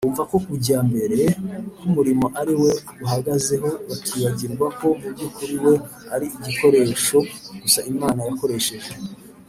, bumva ko kujya mbere k’umurimo ari we guhagazeho, bakibagirwa ko mu by’ukuri we ari igikoresho gusa Imana yakoresheje